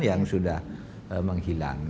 yang sudah menghilang